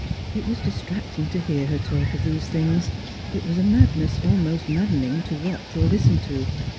It was distracting to hear her talk of these things; it was a madness almost maddening to watch or listen to.